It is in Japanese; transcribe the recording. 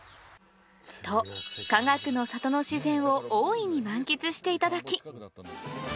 とかがくの里の自然を大いに満喫していただき